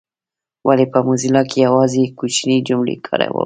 ولي په موزیلا کي یوازي کوچنۍ جملې کاروو؟